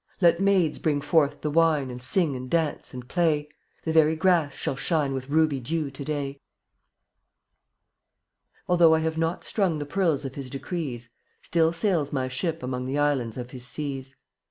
Let maids bring forth the wine And sing and dance and play; The very grass shall shine With ruby dew to day! 72 Although I have not strung The pearls of His decrees, Still sails my ship among The islands of His seas.